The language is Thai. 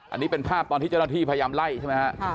อันนี้เป็นภาพตอนที่เจ้าหน้าที่พยายามไล่ใช่ไหมฮะ